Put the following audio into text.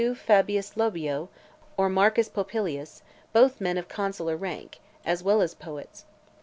Fabius Labeo, or Marcus Popilius , both men of consular rank, as well as poets.